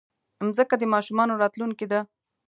مځکه د ماشومانو راتلونکی ده.